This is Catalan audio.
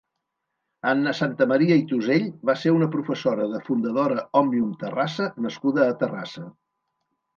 Anna Santamaria i Tusell va ser una professora de, Fundadora Òmnium Terrassa nascuda a Terrassa.